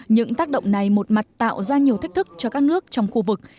những tác động này một mặt tạo ra nhiều thách thức cho các nước trong khu vực